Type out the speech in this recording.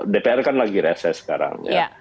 dpr kan lagi reses sekarang